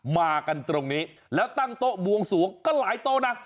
มากันตรงนี้แล้วตั้งโต๊ะบวงสวงก็หลายโต๊ะนะ